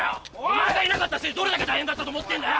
お前がいなかったせいでどれだけ大変だったと思ってんだよ！